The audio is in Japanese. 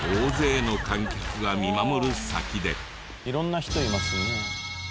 色んな人いますね。